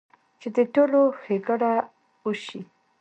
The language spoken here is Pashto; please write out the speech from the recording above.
چې د ټولو ښېګړه اوشي -